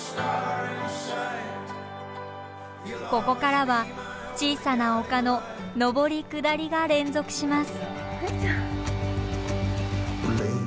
ここからは小さな丘の上り下りが連続します。